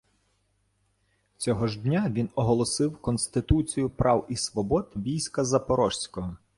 Цього ж дня він оголосив «Конституцію прав і свобод війська Запорізького»